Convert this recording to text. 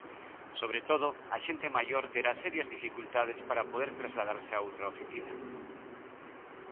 Sobre todo, a xente maior terá serias dificultades para poder trasladarse a outra oficina.